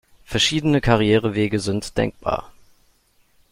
Verschiedene Karrierewege sind denkbar.